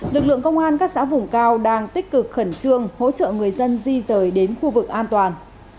lực lượng công an các xã vùng cao đang tích cực khẩn trương hỗ trợ người dân di rời đến khu vực an toàn